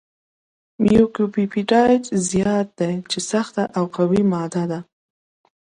میوکوپپټایډ زیات دی چې سخته او قوي ماده ده.